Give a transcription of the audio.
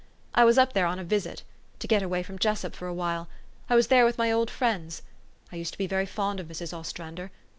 '' I was up there on a visit to get away from Jessup for a while : I was there with my old friends. I used to be very fond of Mrs. Ostrander.